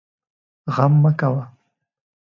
غم مه کوئ